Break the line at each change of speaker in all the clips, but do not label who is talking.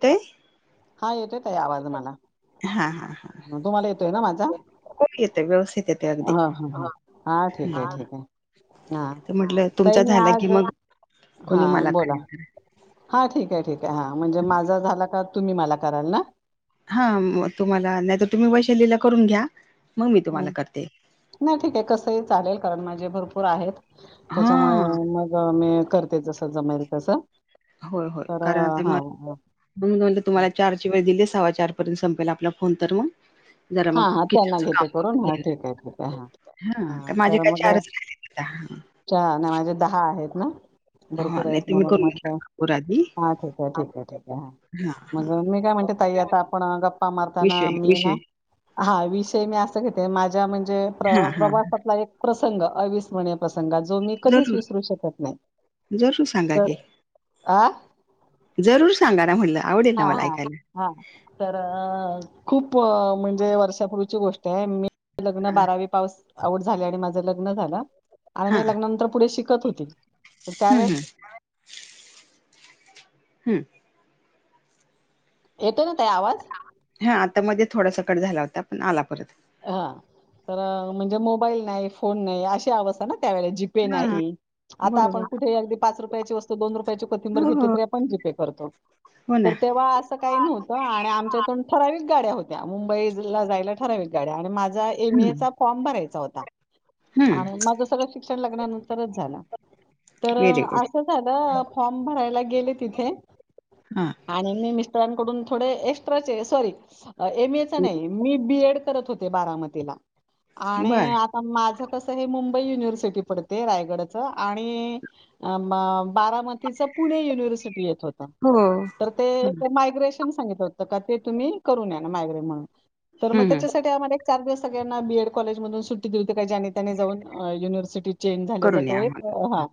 ते?
हा. येतोय ताई आवाज मला.
हा हा
तुम्हाला येतोय ना माझा?
हो येतोय. व्यवस्थित येतोय अगदी.
हा हा हा हा ठीक आहे ठीक आहे हा
त म्हटलं
ताई
तुमचा
मी
झाला कि
आज
मग, तुम्ही मला कॉल करा.
हां. ठीक ए. ठीक ए. हां. म्हणजे माझा झाला का तुम्ही मला कराल ना?
हां. तुम्हाला. नाहीतर तुम्ही वैशालीला करून घ्या. मग मी तुम्हाला
हं.
करते.
नाही ठीक आहे. कसंही चालेल. कारण माझे भरपूर आहेत.
हा
त्याच्यामुळे मग मी करते जस जमेल तस. तर -हा. ह.
म्हणून म्हटलं तुम्हाला चारची वेळ दिली. सव्वा चार पर्यंत संपेल आपला फोन तर मग- जरा
हा
मग
हा त्यांना
किचनच
घेते
काम
हा
करून
ठीक आहे ठीक आहे हा
[unintelligible] हां. माझे काय चारच [unintelligible]
चार नि माझे दहा आहेत ना?
हा
भरपूर
नाही
आहेत
तुम्ही
म्हणून
करून
मग,
घ्या भरपूर आधी
हां. ठीक ए. ठीक ए. ठीक आहे हां.
हा
मग मी काय म्हणते ताई, आता आपण गप्पा मारताना
विषय
मी
विषय
ना- हां. विषय मी असा घेते. माझ्या म्हणजे
हा हा
प्रवासातला एक प्रसंग अविस्मरणीय. प्रसंग. जो मी कधीच
जरूर
विसरू शकत नाही.
जरूर सांगा
तर
की
आ?
जरूर सांगा ना म्हणलं. आवडेल
हा
मला
हा
ऐकायला.
हा तर -खूप म्हणजे वर्षापूर्वीची गोष्ट आहे. मी- लग्न बारावी पास आऊट झाले आणि माझं लग्न झालं. आणि मी लग्नानंतर पुढे शिक- -त होती. तर त्यावेळेस
हं. हं. हम्म.
येतो ना ताई आवाज?
हां. आत्ता मध्ये थोडासा कट झाला होता. पण आला परत.
हा. तर म्हणजे मोबाईल नाही. फोन नाही अशी अवस्था ना त्यावेळी जी - -पे
हा
नाही. आता
बरोबर
आपण कुठेही अगदी पाच रुपयाची वस्तू, दोन रुपयाची- कोथिंबीर
हो
घेतो
हो
तरी आपण जी पे करतो.
हो ना
तर तेव्हा अस- तस काही नव्हत. आणि आमच्यातून ठराविक गाड्या होत्या. मुंबई ला जायला ठराविक गाड्या. आणि माझा एम ए चा
हम्म
फॉर्म भरायचा होता. आणि माझ सगळं शिक क्षण लग्नानंतरच झाल. तर
व्हेरी गुड
असं झालं फॉर्म भरायला गेले तिथे.
हा.
आणि मी मिस्टरांकडून थोडे एक्स्ट्राचे, सॉरी एम ए चा नाही. मी बी एड करत होते. बारामतीला. आणि
बर
आ पण माझं कसं हे मुंबई युनिव्हर्सिटी पडते. रायगडच. आणि अ म बारामतीचा पुणे युनिव्हर्सिटी येत होती.
हो
तर ते
हम्म
मायग्रेशन सांगितल होतं. का ते तुम्ही करून या. मायग्रेन म्हणून. तर म
हम्म
त्या मध्ये एक चार दिवस सगळ्यांना बी एड कॉलेजधून सुटी दिली होते का, ज्याने त्याने जाऊन युनिवर्सिटीत चेंज झाल्याचा
करून
तो
या
एक,
आम्हाला
हा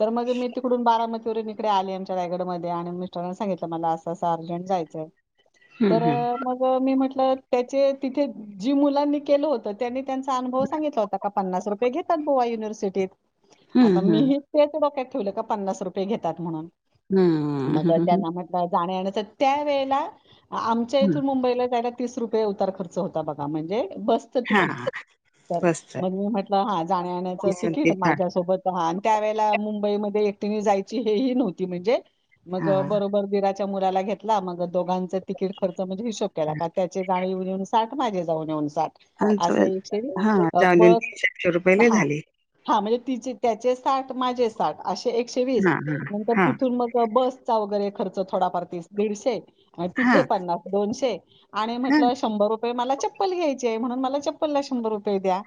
तर मग मी तो तिकडून बारामतीवरुण इकडे आली. आमच्या रायगड मध्ये. आणि मिस्टरांना सांगितलं मला असं असं अर्जंट जायचंय.
हम्म
तर
हम्म
मग मी म्हटलं त्याचे तिथे जी मुलांनी केलं होतं त्यांनी त्यांचा अनुभव सांगितला होता. का पन्नास रुपये घेतात बुवा युनिव्हर्सिटीत.
हम्म
आता
हम्म.
मीही तेच डोक्यात ठेवलं का पन्नास रुपये घेतात म्हणून.
हम्म
मग
हम्म
त्यांना म्हटलं जाण्या येण्याचं. त्या वेळेला
हम्म
आमच्याइथुन मुंबईला जायला तीस रुपये उतार खर्च होता बघा. म्हणजे बस
हा
चतिकीट. तर
मस्त
मग मी म्हटलं हा जाण्याण्याचं
बेसन ते
तिकीट.
ताक
माझ्यासोबत त्यावेळेला मुंबईमध्ये एकटेने जायची हेही नव्हती म्हणजे. मग
हा
बरोबर दिरा च्या मुलाला घेतला. मग दोघां तिकीट खर्च. म्हणे हिशोब केला. त्याची जाणे येऊन साठ माझे जाऊन येऊन साठ.
हा
असं एक
जाऊन येऊन
बस,
तीनशे आठशे रुपये लय
हा.
झाले
हा म्हणजे तिचे त्याचे साठ. माझे साठ. असे एकशे वीस.
हा
नंतर
हा
तिथून मग बस चा वगैरे खर्च थोडाफार तीस दीडशे.
हा
तिथे पन्नास, दोनशे. आणि
हा हा
म्हटलं शंभर रु मला चप्पल घ्यायचीये. म्हणून मला चप्पल ला शंभर रुपये द्या.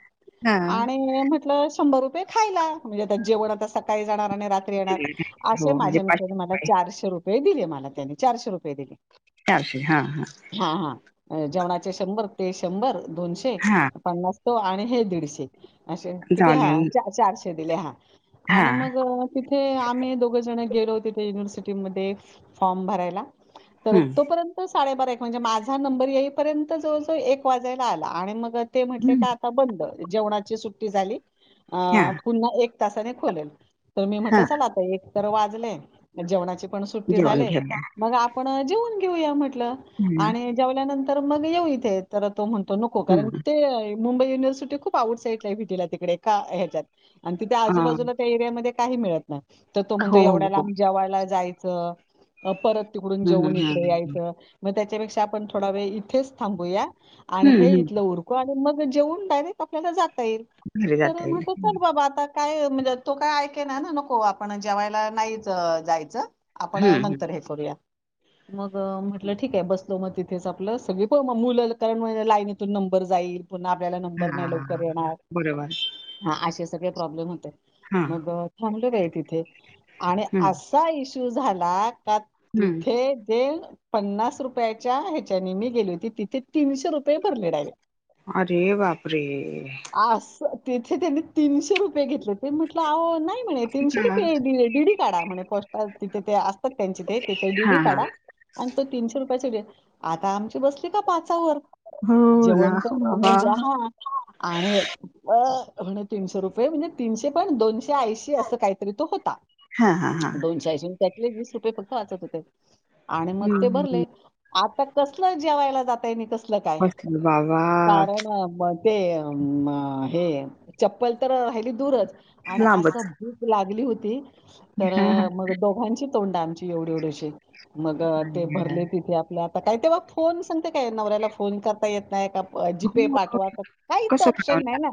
हा
आणि म्हटलं शंभर रुपये खायला. म्हणजे आ जेवण आता सकाळी जाणार आणि रात्री येणार. असे
हो म्हणजे
माझ्या
पाचशे
मिस्टरांनी मला
रुपये
चारशे रुपये दिले मला त्यांनी. चारशे रुपये दिले.
चारशे, हा हा.
हा हा. जेवणाचे शंभर. ते शंभर दोनशे.
हा
पन्नास तो. आणि हे दीडशे. असे किती
जाऊन
हा
येऊन
चारशे दिले. हा
हा
आणि मग तिथे आम्ही दोघं जण गेलो तिथे युनिव्हर्सिटीमध्ये. फॉर्म भरायला. तर तोपर्यंत साडेबारा एक, माझा नंबर येईपर्यंत जवळजवळ एक वाजायला आला. आणि मग ते म्हटले
हम्म
का आता बंद. जेवणाची सुट्टी झाली. अ
हा
पुन्हा एक तासाने खोलेल. तर मी म्हटलं
हा
चला आता एक तर वाजले. जेवणाची पण सुट्टी
जेवण
झाली.
घेऊया.
मग आपण जेवून घेऊया म्हटलं.
हम्म.
आणि जेवल्यानंतर मग येऊ इथे. तर तो म्हणतो नको. कारण
हम्म.
ते मुंबई युनिव्हर्सिटी खूप आउट साईटलाये. व्हीटीला तिकडे एका ह्याच्यात. आणि तिथे
अ,
आजूबाजूला त्या एरियामध्ये काही मिळत नाही. तर तो म्हणतो
हो,
एवढ्या
हो, हो.
लांब जेवयला जायचं. परत तिकडून
हं, हं,
जेवून इकडे
हं, हं.
यायचं. मग त्याच्यापेक्षा आपण थोडा वेळ इथेच थांबूया. आणि
हं,
हे
हं.
इथलं उरकू. आणि मग जेवून. डायरेक्ट आपल्याला जाता येईल.
घरी
तर
जाता येईल.
म्हटल चल बाबा आता. काय म्हणजे तो काय ऐके ना. नको. आपण जेवायला नाहीच जायचं. आपण
हं, हं.
नंतर हे करूया. मग म्हटलं ठीके. बसलो मग तिथेच आपलं. सगळी हो मग मुलं कारण लाईनितून नंबर जाईल पुन्हा आपल्याला नंबर नाही लवकर
हां.
येणार.
बरोबर.
हा असे सगळे प्रॉब्लेम होते.
हां.
मग थांबलं बाई तिथे आणि
हं,
आ का इश्यू झाला का
हं.
तिथे ते पन्नास रुपयाच्या ह्याच्याने मी गेली होती तिथे तीनशे रुपये भरले डायरेक्ट.
अरे बापरे!
अस तिथ त्यांनी तीनशे रुपये घेतले. ते म्हटलं अहो नाही म्हणे तीनशे
हां, हां.
रुपये डीडी काढा म्हणे पोस्ट तिथे ते त्यांचे ते तिथे डीडी
हां.
काढा आणि तो तीनशे रुपया आता आमची बस ते का पाचावर
हो ना
जेवण तर
बाबा.
म्हणजे हा आणि अ म्हणे तीनशे रुपये म्हणजे तीनशे पण दोनशे ऐंशी असं काहीतरी तो होता
हां, हां, हां.
दोनशे ऐंशी त्यातले वीस रुपये फक्त वाचत होते आणि मग ते
हं.
भरले आता कसलं जेवायला जातय कसल काय
बसले बाबा
कारण ते हे चप्पल तर राहिली दूरच आणि असं
लांबच.
भूक लागली होती तर
हां, हां.
दोघांची तोंड आमची एवढी, एवढीशी मग
आई
ते
ग!
भरले तिथे आपले आता काय तेव्हा. कोन सांगते काय नवऱ्याला फोन करता येत नाही का जी पे
हो, हो.
पाठवा तर काहीच
कसं
ऑप्शन
कळवणार?
नाहीना,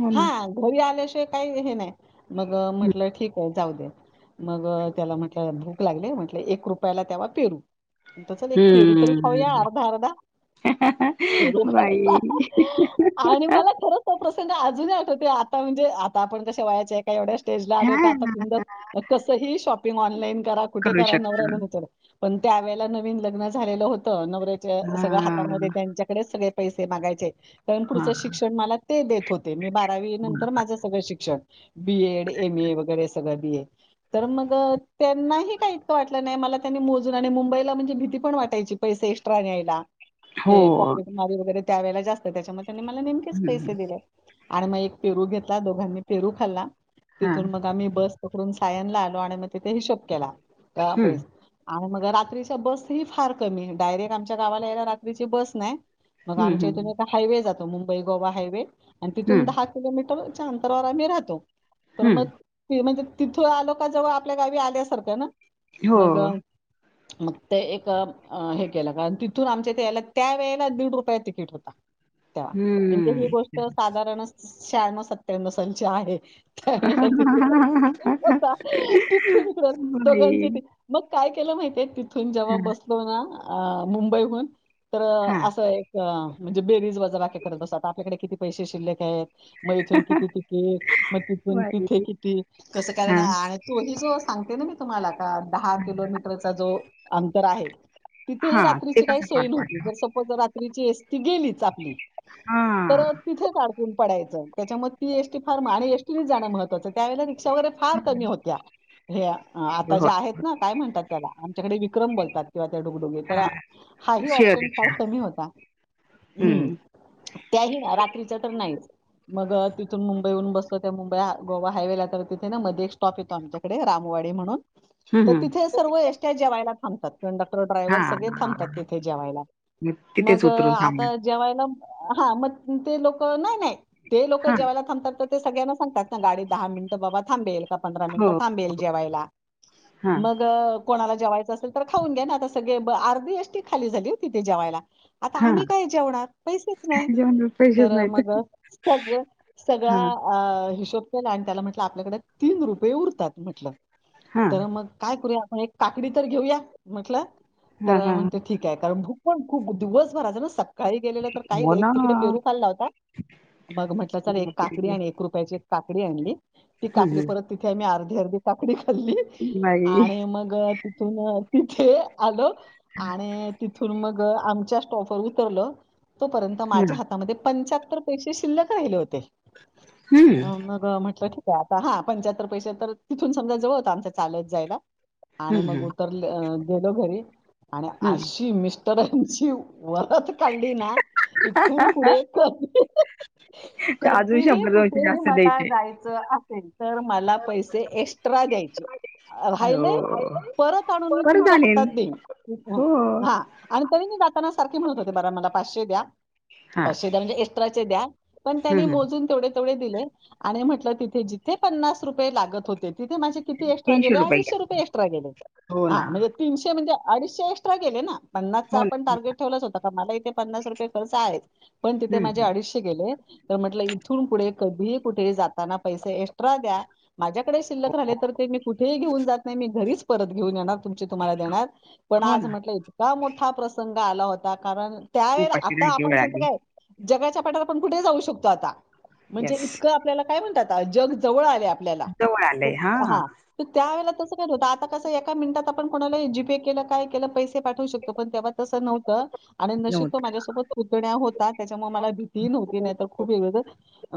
हो ना.
हा. घरी आल्याश काही हे नाही मग
हं.
म्हटलं ठीक आहे. जाऊद्या म्हटलं मग त्याला म्हटलं भूक लागले म्हटलं एक रुपयाला तेव्हा पेरू. म्हटलं चल एक पेरू तर
हं.
अर्धा, अर्धा पेरु खायला
बाई.
आणि मला खरच तो प्रसंग अजूनही आठवते आता म्हणजे आता आपण कश वयाच्या काय एवढ्या स्टेज ला आलोय आता
हां.
बि कसंही शॉपिंग ऑनलाईन करा कुठे
करू
करा
शकतो.
नवऱ्याला नाही विचारत. पण त्यावेळेला नवीन लग्न झालेलं होतं नवऱ्याच्या सगळ
हां,
हातामध्ये त्यांच्या सगळे पैसे मागायचे कारण पुढच
हां.
शिक्षण मला ते देत होते मी बारावी नंतर माझ सगळं शिक्षण बी, एड, एम, ए वगैरे सगळं बी, ए तर मग त्यांनाही काही इतकं वाटलं नाही मला त्यांनी मोजून आणि मुंबईला म्हणजे भीती पण वाटायची. पैसे एक्स्ट्रा न्यायला ते
हो.
पॉकेट मरी वगैरे त्या वेळेला जास्त त्याच्यामुळे त्यांनी मला न ते पैसे
हं.
दिले आणि मग एक पेरु घेतला दोघांनी पेरू खाल्ला तिथून
हां.
मग आम्ही बस पकडून सायनला आलो आणि मग तिथे हिशोब केला पै
हं.
आणि मग रात्रीच्या बस ही फार कमी डायरेक्ट आमच्या गावाला यायला रात्रीची बस नाही. मग
हं,
आमच्या इथून
हं.
एक हायवे जातो मुंबई गोवा हायवे आणि तिथून
हं,
दहा किलोमीटरच्या अंतरावर आम्ही राहतो तर
हं.
मग म्हणजे तिथून आलो का जवळ आपल्या गावी आल्यासारख्या ना
हो.
मग मग ते एक हे केलं कारण तिथून आमच्या त्याला त्या वेळेला दीड रुपया तिकीट होता. तेव्हा म्हणजे ही
हं.
गोष्ट साधारण शहाण्णव, सत्त्याण्णव ची आहे. चित्रपट होता तिथून इकडे दोघांनी
बाई!
मग काय केलं माहिती आहे तिथून जेव्हा
हां,
बसलो ना मुंबईहून तर
हां.
असं एक बेरीज, वजाबाकी करत असत आता आपल्याकडे किती पैसे शिल्लेक आहेत. मग इथून किती तिकेट मग तिथून तिथे
बाई!
किती कसं
हां,
कारण तोही जो सांगते ना मी तुम्हाला का दहा
हां.
किलोमीटरचा जो अंतर आहे. तिथही
हां, ते
रात्रीची काही
कसं पार
सोय नव्हती
पाडलं मग?
जसं हो त्या रात्रीची एसटी गेलीच आपली तर
हां.
तिथेच अडकून पडायचं त्याच्यामुळे ती एसटी फार म आणि एसटीनेच जाणं महत्वाचं त्या वेळेला रिक्षा वगैरे फार कमी
हं.
होत्या हे आता
हो.
ज्या आहेत. नाय काय म्हणतात त्याला आमच्याकडे विक्रम बोलतात. किंवा त्या डुगडुगी तर हाही
शेअर
ऑप्शन फार
रिक्षा.
कमी होता. हम्म
हं.
त्याही ना रात्रीच्या तर नाहीच. मग तिथून मुंबईहून बसलो त्या मुंबई गोवा हायवेला तर तिथे ना मध्ये एक स्टॉप येतो आमच्याकडे, रामवाडी म्हणून
हं,
तर
हं.
तिथे सर्व एष्ट्या जेवायला थांबतात. कंडक्टर ड्रायव्हर सगळे
हां.
थांबतात तिथे जेवायला
तिथेच
मग
उतरून थांबलेत.
आता जेवायला हा मग ते लोक नाय नाय, ते लोक
हां.
जेवायला थांबतात तर ते सगळ्यांना सांगतात ना, गाडी दहा मिनटं बाबा थांबेल. पंधरा
हो.
मिनटं थांबेल जेवायला
हां,
मग कोणाला जेवायचं असेल तर खाऊन घ्या ना आता सगळे अर्धी एष्टटी खाली झाली तिथे जेवायला आता
हां.
आम्ही काय जेवणार पैसेच नाही
जेवणाला पैसेच
तर
नाहीत.
मग सगळं सगळा
हां,
अ हिशोब केला आणि त्याला म्हटलं आपल्याकडे तीन रुपये उरतात म्हटलं.
हां.
तर मग काय करूया आपण एक काकडी तर घेऊया म्हटलं तर
हां, हां.
म्हणते ठीक आहे कारण भूक पण खूप दिवसभरचं ना सक काळी गेलेलं तर काही
हो
एक
ना.
तिकडे पेरू खाल्ला होता मग म्हटलं च एक काकडी
बापरे!
आणि एक रुपयाची काकडी आणली ती
हं,
काकडी
हं.
परत तिथे आम्ही अर्धी अर्धी काकडी खाल्ली.
बाई!
आणि मग तिथून तिथे आलो आणि तिथून मग आमच्या स्टॉप वर उतरलो तोपर्यंत
हां.
माझ्या हात तमध्ये पंचाहत्तर पैसे शिल्लक राहिले होते.
हं.
हा मग म्हटलं की ते आता हां पंच्याहत्तर पैसे तर तिथून समजा जवळच आमच्या चालत जायला. आणि
हम्म
मग
हम्म
उतरले गेलो घरी आणि
हम्म.
आशी मिस स्टरांची वरात काढली ना इथून पुढे कधी
अजून
कधीही
शंभर दोनशे
कुठेही
जास्त
मला
द्यायचे
जाय चं असेल तर मला पैसे एक्स्ट्रा द्यायचे राहिले
हो
परत आणून मी
परत
तुमच्या
आणेन
हातात देईन. हा
हो
हा आणि तरी मी जाताना सारखी म्हणत होते, जरा मला पाचशे द्या.
हा
पाचशे द्या म्हणजे एस्ट्राचे द्या पण
हम्म
त्यानी
हम्म.
मोजून तेवढे तेवढे दिले आणि म्हंटले तिथे जिथे पन्नास रुपये लागत होते तिथे माझे किती एक्स्ट्रा
तीनशे
गेले अडीशे
घ्या
रुपये एक्स्ट्रा गेले.
हो
हा
ना
म्हणजे तीनशे म्हणजे अडीचशे एक्स्ट्रा गेले ना पन्नास चा
हो ना
आपण
हो
टार्गेट ठेवलाच होता कारण मला ईथे पन्नास रुपये खर्च आहे. पण तिथे
हम्म
माझे
हम्म.
अडीचशे गेले तर म्हटलं इथून पुढे कधीही कुठेही जातना पैशे एक्स्ट्रा द्या माझ्याकडे शिल्लक राहिले तर ते मी कुठेही घेऊन जात नाही मी घरीच परत घेऊन येणार तुमचे तुम्हाला देणार पण
हो
आज
ना
म्हटलं इतका मोठा प्रसंग आला होता कारण त्या वेळेला
उपाशी
आता
राहायची
आपण
वेळ
सांगतो
आली
काय जगाच्या पाठीवर आपण कुठेही जाऊ शकतो आता म्हणजे
येस
इतकं आपल्याला काय म्हणतात आता जग जवळ आलंय आपल्याला
जवळ आलंय हा
हां त्यावेळेला तसं होत होतं आता कसं एका मिनिटात आपण कोणाला जीपे केलं काय केलं पैसे पाठवू शकतो पण तेव्हा तंसं नव्हतं. आणि नशीब तो माझ्यासोबत पुतण्या होता त्याच्यामुळे मला भीती नव्हती नाही तर खूप वेगळं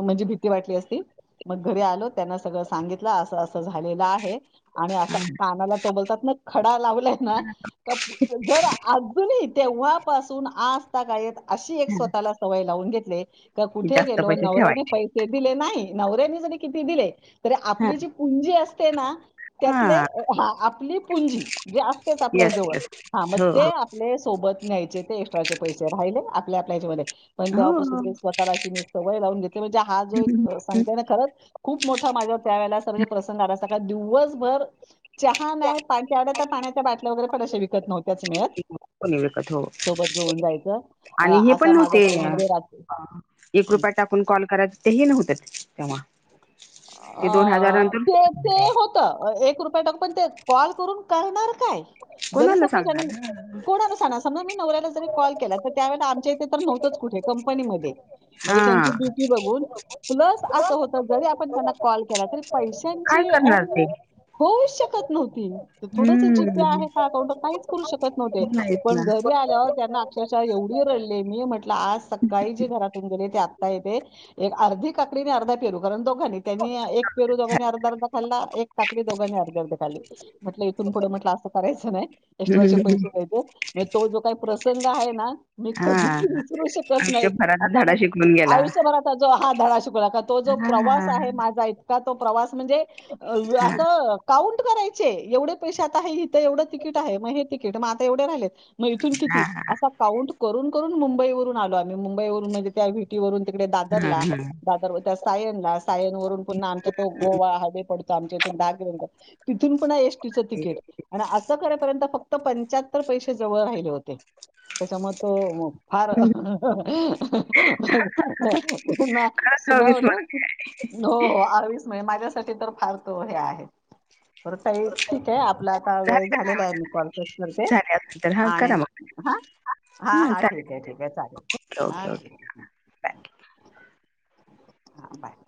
म्हणजे भीती वाटली असती. मग घरी आलो त्यांना सगळं सांगितलं असं असं झालेलं आहे. आणि असा
नव्हतं
कानाला तो बोलतात ना खडा लावलाय ना जर अजून ही तेंव्हापासून आज तागायत अशी एक स्वतःला सवय लावून घेतले का
की
कुठे
जास्त
गेलो
पैसे
नवऱ्याने
ठेवायचे
पै से दिले नाही नवऱ्यानी जरी किती दिले तरी
हा
आपली जी पुंजी असते ना त्यातले
हा
आपली पुंजी जे असतेच आपल्या
येस
जवळ
येस
हा मग
हो
ते
हो
आपले सोबत न्यायचे ते एक्स्ट्राचे पैसे राहिले आपल्या आपल्याच्या मध्ये पण
हो
तेव्हापासून
हो.
ते स्वतःला अशी मी सवय लावून घेतली म्हणजे हा जो
हम्म,
एक
हम्म.
सांगतोय ना खरंच खूप मोठा माझ्या त्या वेळेला अस म्हणजे प्रसंग आला का दिवसभर चहा नाय पा त्यावेळेला तर पाण्याच्या बाटल्या वगैरे पण अशा विकत नव्हत्याच मिळत
कोणी विकत हो
सोबत घेऊन जायचं अ
आणि हे पण
असा माझा
नव्हते
तो म्हणजे रा
फोन कॉल करा तेही नव्हतं तेव्हा ते दोन हजार
अं
नंतर
ते ते हो तं एक रुपया टाकून पण ते कॉल करून करणार काय? जरी
कुणाला
सपोज आणि
सांगणार?
कोणाला सांगणार समजा मी नवऱ्याला जरी कॉल केला तर त्यावेळेला आमच्या इथे तर नव्हतंच कुठे कंपनीमध्ये. म्हणजे
हा
त्यांची ड्युटी बघून प्लस असं होतं जरी आपण त्यांना कॉल केला तरी
काय
पैशांची
करणार ते
अरेंजमेंट होऊच शकत नव्ह री थोडस जी पी
हम्म
आहे का अकाउंट काहीच करू शकत नव्हते
नाहीच ना
पण घरी आल्यावर त्यांना एवढी रडले मी म्हटलं आज सकाळी जे घरातून गेले ते आत्ता येते एक अर्धी काकडी आणि अर्धा पेरू कारण दोघांनी त्यांनी एक पेरू दोघांनी अर्धा अर्धा खाल्ला एक काकडी दोघांनी अर्धी अर्धी खाल्ली म्हटलं इथून पुढं म्हटलं असं करायचं नाही एक्स्ट्राचे पैसे घ्यायचे म तो जो काही प्रसंग आहे ना मी
हा
कधीच विसरू शकत नाही
आयुष्यभराचा
असा
धडा शिकवून गेला
आयुष्यभराचा जो हा धडा शिकला तो जो
हा
प्रवास
हा
आहे माझा इतका तो प्रवास म्हणजे
हा
असं काउंट करायचे एवढे पैसे आता हे हिथं एवढं तिकीट आहे मग हे तिकीट मग आता एवढे राहिलेत. मग इथून
हा
किती असा काउंट करून करून मुंबईवरून आलो आम्ही मुंबईवरून म्हणजे त्या टी वरुण तिकडे
हा
दादरला दादर त्या सायनला सायनवरुण पुन्हा आमचा तो गोवा हायवे पडतो आमच्या इथून दहा किलोमीटर तिथून पुन्हा एस टिचं तिकीट आणि असं करेपर्यंत फक्त पंच्याहत्तर पैसे जवळ राहिले होते त्याच्यामूळ तो फार
खरंच
सुनावलं
अविस्मरणीय
हो हो अविस्मय माझ्यासाठी तर फार तो हे आहे. बर ताई ठीक आहे आपला आता वेळ
झाले का दहा
झालेला आहे मी कॉल कट करते.
मिनिट झाले असतील तर हा
आणि
करा मग
हा हा हा ठीक आहे ठीक आहे चालेल हा
ओके ओके
ठीक
बाय
आहे. हा बाय